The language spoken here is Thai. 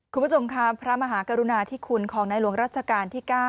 คุณผู้ชมค่ะพระมหากรุณาธิคุณของในหลวงรัชกาลที่๙